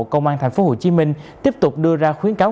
công an tp hcm tiếp tục đưa ra khuyến cáo